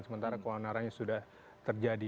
sementara keonarannya sudah terjadi